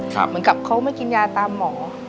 เหมือนกับเขาไม่กินยาตามหมอ